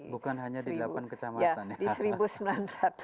bukan hanya di delapan kecamatan ya